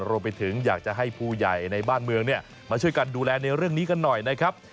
อยากจะให้ผู้ใหญ่ในบ้านเมืองมาช่วยกันดูแลในเรื่องนี้กันหน่อยนะครับ